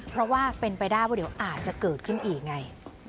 เพราะว่าเป็นไปได้ว่าเดี๋ยวอาจจะเกิดขึ้นอีกไง